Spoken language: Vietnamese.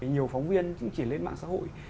nhiều phóng viên cũng chỉ lên mạng xã hội